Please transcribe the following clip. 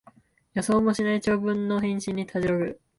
予想もしない長文の返信にたじろぐ